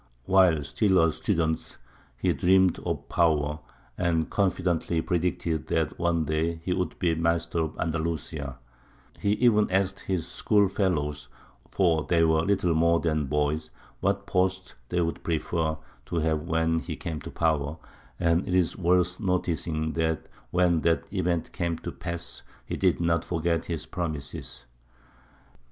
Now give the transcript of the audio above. While still a student he dreamed of power, and confidently predicted that one day he would be master of Andalusia; he even asked his schoolfellows for they were little more than boys what posts they would prefer to have when he came to power, and it is worth noticing that when that event came to pass he did not forget his promises.